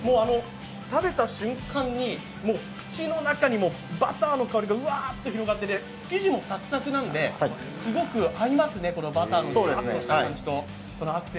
食べた瞬間に口の中にバターの香りがふわーっと広がって生地もサクサクなんですごく合いますね、このバターのじゅわっとした感じと。